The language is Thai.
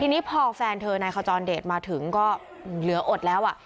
ทีนี้พอแฟนเธอนายขจรเดชมาถึงก็เหลืออดแล้ว